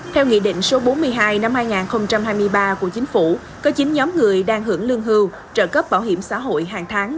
theo nghị định số bốn mươi hai năm hai nghìn hai mươi ba của chính phủ có chín nhóm người đang hưởng lương hưu trợ cấp bảo hiểm xã hội hàng tháng